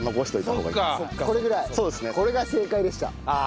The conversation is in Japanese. これが正解でした。